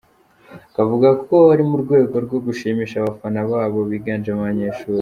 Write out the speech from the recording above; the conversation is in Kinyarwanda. Akavuga ko ari mu rwego rwo gushimisha abafana babo biganjemo abanyeshuri.